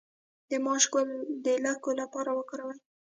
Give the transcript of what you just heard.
د ماش ګل د لکو لپاره وکاروئ